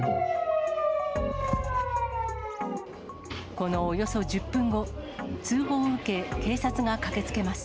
このおよそ１０分後、通報を受け、警察が駆けつけます。